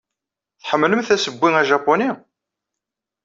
Tḥemmlemt assewwi ajapuni?